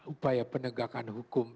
upaya penegakan hukum